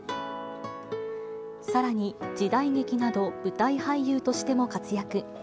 さらに、時代劇など、舞台俳優としても活躍。